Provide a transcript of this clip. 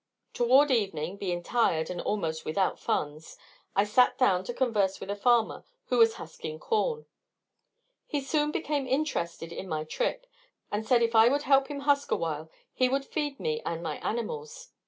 Toward evening, being tired and almost without funds, I sat down to converse with a farmer who was husking corn. He soon became interested in my trip, and said if I would help him husk awhile he would feed me and my animals.